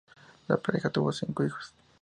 La pareja tuvo cinco hijos.